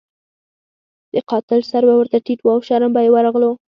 د قاتل سر به ورته ټیټ وو او شرم به یې ورغلو.